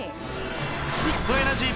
フットエナジー